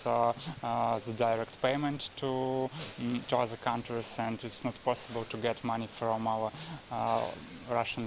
jadi tidak ada di sini dan banyak banknya menghentikan uang pengisian langsung ke negara lain dan tidak mungkin mendapatkan uang dari bank rusia kami